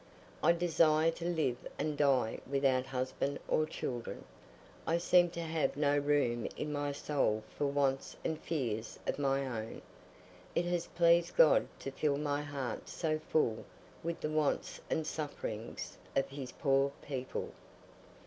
I desire to live and die without husband or children. I seem to have no room in my soul for wants and fears of my own, it has pleased God to fill my heart so full with the wants and sufferings of his poor people."